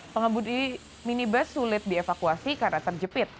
pengembudi minibus sulit dievakuasi karena terjepit